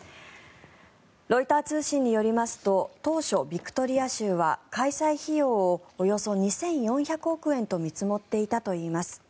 ロイター通信によりますと当初、ビクトリア州は開催費用をおよそ２４００億円と見積もっていたといいます。